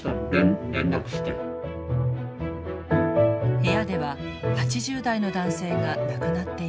部屋では８０代の男性が亡くなっていました。